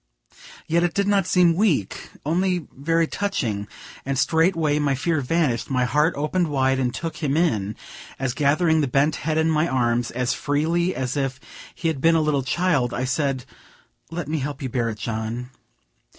Yet it did not seem weak, only very touching, and straightway my fear vanished, my heart opened wide and took him in, as, gathering the bent head in my arms, as freely as if he had been a little child, I said, "Let me help you bear it, John."